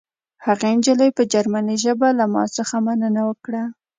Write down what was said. هغې نجلۍ په جرمني ژبه له ما څخه مننه وکړه